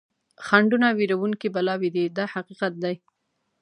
خنډونه وېروونکي بلاوې دي دا حقیقت دی.